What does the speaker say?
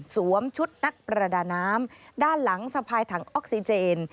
ชุดนักประดาน้ำด้านหลังสะพายถังออกซิเจน